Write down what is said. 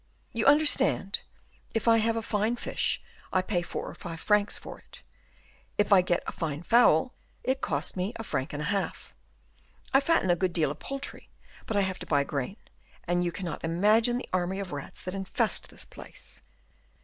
"You understand; if I have a fine fish, I pay four or five francs for it; if I get a fine fowl, it cost me a franc and a half. I fatten a good deal of poultry, but I have to buy grain, and you cannot imagine the army of rats that infest this place."